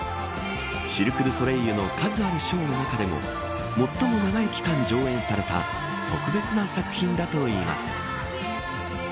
シルク・ドゥ・ソレイユの数あるショーの中でも最も長い期間上映された特別な作品だといいます。